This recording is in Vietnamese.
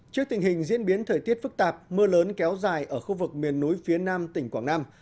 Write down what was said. trước tình hình diễn biến thời tiết phức tạp mưa lớn kéo dài ở khu vực miền núi phía nam tỉnh quảng nam